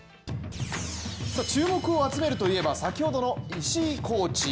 注目を集めるといえば先ほどの石井コーチ。